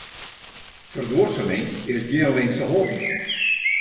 Ferduorsuming is gjin linkse hobby.